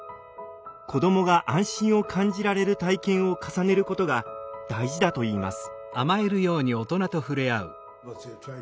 子どもが安心を感じられる体験を重ねることが大事だといいます。